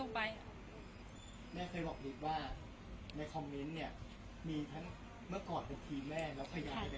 แม่เคยบอกบีบว่าในคอมเม้นท์เนี่ยมีทั้งเมื่อก่อนครับ